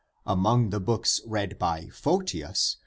Among the books read by Photius (Bibl.